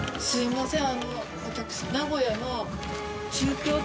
すいません。